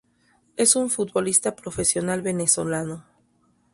Es un futbolista profesional venezolano.